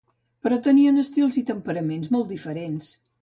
Però tenien estils i temperaments molt diferents.